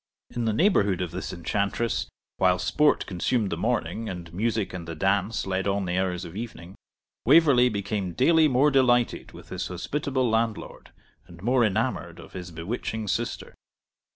In the neighbourhood of this enchantress, while sport consumed the morning and music and the dance led on the hours of evening, Waverley became daily more delighted with his hospitable landlord, and more enamoured of his bewitching sister.